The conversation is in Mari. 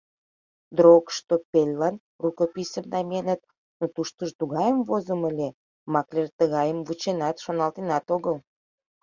Дроогштоппельлан рукописьым намиеныт, но туштыжо тугайым возымо ыле — маклер тыгайым вученат, шоналтенат огыл.